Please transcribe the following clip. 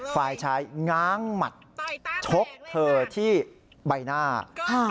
ฝ่ายชายง้างหมัดชกเธอที่ใบหน้าค่ะ